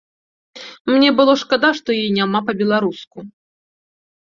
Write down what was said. Мне было шкада, што яе няма па-беларуску.